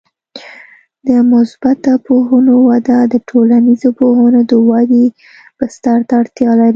د مثبته پوهنو وده د ټولنیزو پوهنو د ودې بستر ته اړتیا لري.